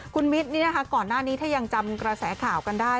คุณมิตรนี่นะคะก่อนหน้านี้ถ้ายังจำกระแสข่าวกันได้